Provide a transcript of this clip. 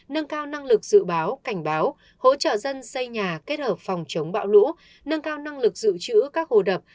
nâng cao năng lực dự báo cảnh báo hỗ trợ dân xây nhà kết hợp phòng chống bão lũ nâng cao năng lực dự trữ các hồ đập